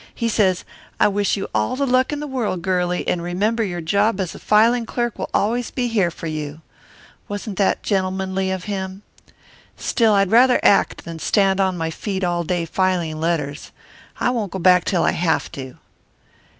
He says, 'I wish you all the luck in the world, girlie, and remember your job as filin' clerk will always be here for you.' Wasn't that gentlemanly of him? Still, I'd rather act than stand on my feet all day filing letters. I won't go back till I have to."